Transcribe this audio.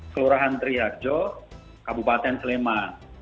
kelurahan trihakjo kabupaten sleman